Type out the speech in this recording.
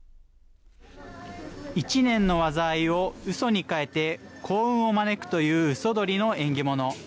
１年の災いをうそに変えて幸運を招くという鷽鳥の縁起物。